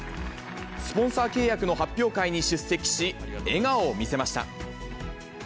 スポンサー契約の発表会に出席し、笑顔を見せました。